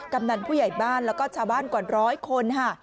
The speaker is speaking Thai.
กำนันผู้ใหญ่บ้านแล้วก็ชาวบ้านกว่าร้อยคนค่ะ